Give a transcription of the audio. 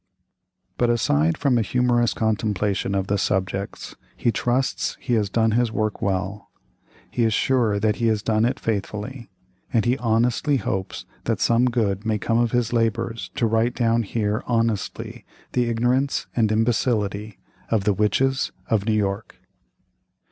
But aside from a humorous contemplation of the subjects, he trusts he has done his work well; he is sure he has done it faithfully, and he honestly hopes that some good may come of his labors to write down here honestly the ignorance and imbecility of The Witches of New York.